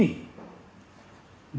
di menteri perdagangan bulog